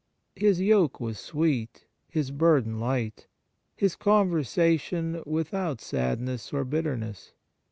His yoke was sweet, His burden light, His conversation without sadness or bitterness.